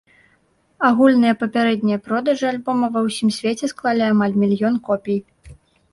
Агульныя папярэднія продажы альбома ва ўсім свеце склалі амаль мільён копій.